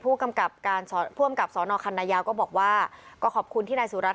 ผู้กำกับการผู้อำกับสนคันนายาวก็บอกว่าก็ขอบคุณที่นายสุรัตน